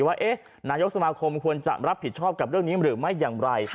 ว่านายกสมาคมควรจะรับผิดชอบกับเรื่องนี้หรือไม่อย่างไร